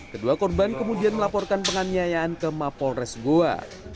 kedua korban kemudian melaporkan penganiayaan ke mapol resgoa